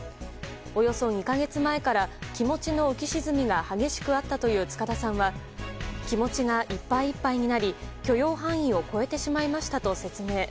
およそ２か月前から気持ちの浮き沈みが激しくあったという塚田さんは気持ちがいっぱいいっぱいになり許容範囲を超えてしまいましたと説明。